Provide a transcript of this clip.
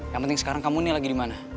yang penting sekarang kamu ini lagi di mana